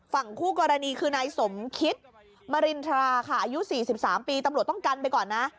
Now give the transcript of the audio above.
ฝั่งคู่กรณีคือนายสมคิดมรินทราค่ะอายุ๔๓ปีตำรวจต้องกันไปก่อนนะ